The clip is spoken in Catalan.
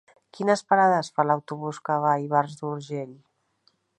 Quines parades fa l'autobús que va a Ivars d'Urgell?